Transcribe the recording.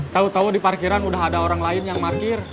tau tau di parkiran udah ada orang lain yang markir